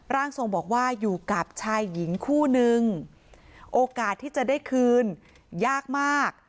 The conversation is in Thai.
ร่างทรงบอกว่าอยู่กับชายหญิงคู่นึงโอกาสที่จะได้คืนยากมาก